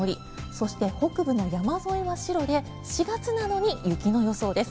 そして、北部の山沿いは白で４月なのに雪の予想です。